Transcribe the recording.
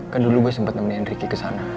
kan dulu gue sempet nemenin ricky kesana